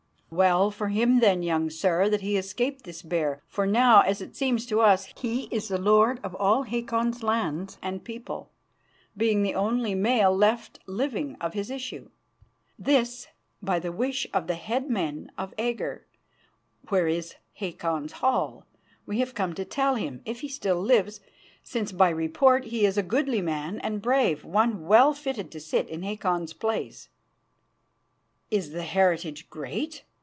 "Well for him, then, young sir, that he escaped this bear, for now, as it seems to us, he is the lord of all Hakon's lands and people, being the only male left living of his issue. This, by the wish of the head men of Agger, where is Hakon's hall, we have come to tell him, if he still lives, since by report he is a goodly man and brave one well fitted to sit in Hakon's place. "Is the heritage great?"